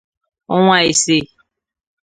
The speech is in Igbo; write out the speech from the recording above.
ọnwa ise